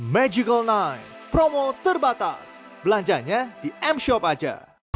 magical night promo terbatas belanjanya di m shop aja